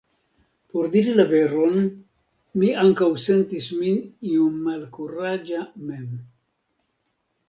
Por diri la veron, mi ankaŭ sentis min iom malkuraĝa mem.